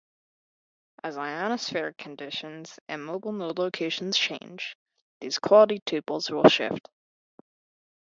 As ionospheric conditions and mobile-node locations change, these quality tuples will shift.